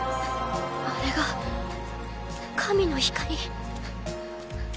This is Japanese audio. あれが神の光！